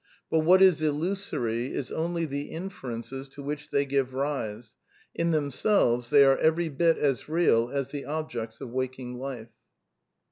But what is illusory is only the infer ences to which th^ give rise ; in themselves^ they are every bit as real as the objects of waking life."